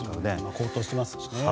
高騰していますしね。